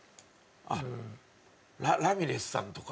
ラミレスさんとか。